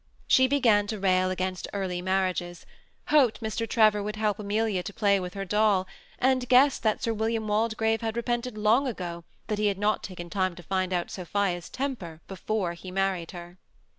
She began to rail against early mar riages, hoped Mr. Trevor would help Amelia to play with her doll, and guessed that Sir William Waldegrave had repented long ago that he had not taken time to find. out Sophia's temper before he married her.